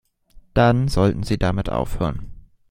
Dann sollten Sie damit aufhören.